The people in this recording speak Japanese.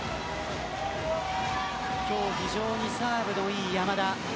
今日非常にサーブのいい山田。